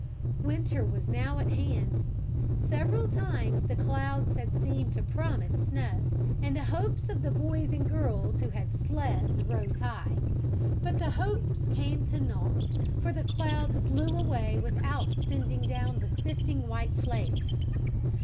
Winter was now at hand. Several times the clouds had seemed to promise snow, and the hopes of the boys and girls who had sleds rose high. But the hopes came to naught, for the clouds blew away without sending down the sifting, white flakes.